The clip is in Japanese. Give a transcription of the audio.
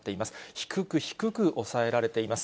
低く低く抑えられています。